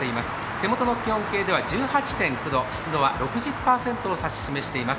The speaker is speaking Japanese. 手元の気温計では１８．９度、湿度は６０％を指し示しています。